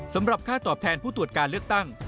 สำหรับค่าตอบแทนผู้ตรวจการเลือกตั้ง